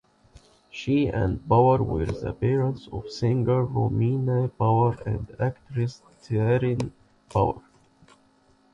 She and Power were the parents of singer Romina Power and actress Taryn Power.